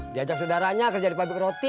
diajak saudaranya kerja di pabrik roti